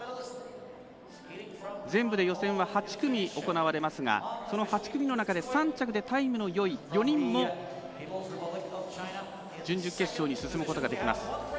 全部で予選は８組、行われますがその８組の中で３着でタイムのよい４人も準々決勝に進むことができます。